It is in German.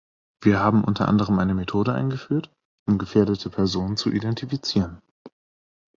Wir haben unter anderem eine Methode eingeführt, um gefährdete Personen zu identifizieren.